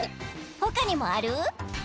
ほかにもある？